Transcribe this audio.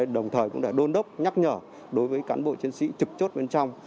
đồng thời cũng đã đôn đốc nhắc nhở đối với cán bộ chiến sĩ trực chốt bên trong